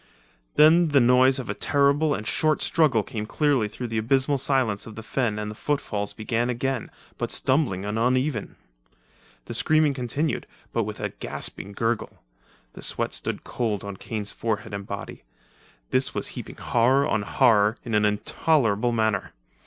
Then the noise of a terrible and short struggle came clearly through the abysmal silence of the night and the footfalls began again, but stumbling and uneven. The screaming continued, but with a gasping gurgle. The sweat stood cold on Kane's forehead and body. This was heaping horror on horror in an intolerable manner.